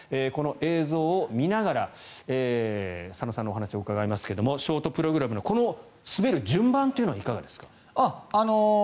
この映像を見ながら佐野さんのお話を伺いますがショートプログラムのこの滑る順番というのはいかがですか？